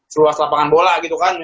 seluas lapangan bola gitu kan